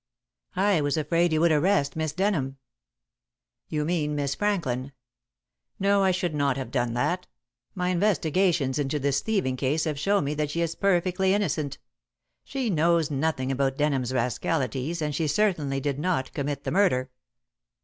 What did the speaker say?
"I was afraid you would arrest Miss Denham." "You mean Miss Franklin. No, I should not have done that. My investigations into this thieving case have shown me that she is perfectly innocent. She knows nothing about Denham's rascalities, and she certainly did not commit the murder."